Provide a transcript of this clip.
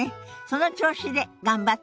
その調子で頑張って！